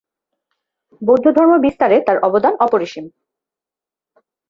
বৌদ্ধধর্ম বিস্তারে তাঁর অবদান অপরিসীম।